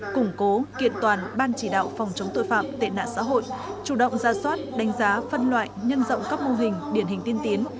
củng cố kiện toàn ban chỉ đạo phòng chống tội phạm tệ nạn xã hội chủ động ra soát đánh giá phân loại nhân rộng các mô hình điển hình tiên tiến